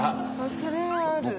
それはある。